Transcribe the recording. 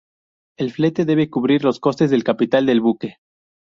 El flete debe cubrir los costes del capital del buque.